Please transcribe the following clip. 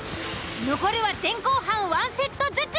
残るは前後半１セットずつ。